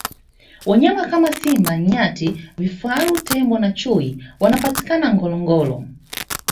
wanyama kama simba nyati vifaru tembo na chui wanapatikana ngorongoro